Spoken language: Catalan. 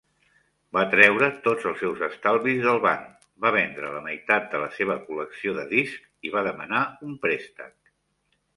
Va treure tots els seus estalvis del banc, va vendre la meitat de la seva col·lecció de discs i va demanar un préstec.